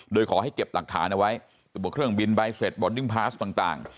โดยขอให้เก็บหลักฐานเอาไว้ตัวเครื่องบินใบเสร็จบอลดิ้งพาสต่าง